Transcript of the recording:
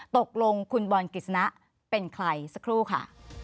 ตกลงคุณบอลกฤษณะเป็นใครสักครู่ค่ะ